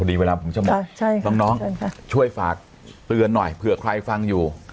ดีเวลาผมจะบอกน้องช่วยฝากเตือนหน่อยเผื่อใครฟังอยู่